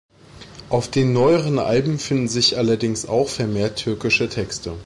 Auf den neueren Alben finden sich allerdings auch vermehrt türkische Texte.